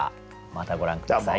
またご覧下さい。